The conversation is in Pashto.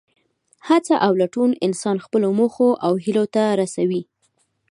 هڅه او لټون انسان خپلو موخو او هیلو ته رسوي.